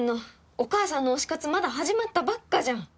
お母さんの推し活まだ始まったばっかじゃん！